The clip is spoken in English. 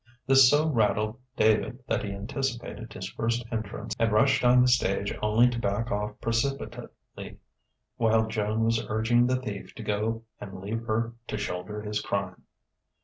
This so rattled David that he anticipated his first entrance and rushed on the stage only to back off precipitately while Joan was urging the Thief to go and leave her to shoulder his crime.